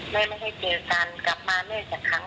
ไม่ให้เจอกันกลับมาแม่สักครั้ง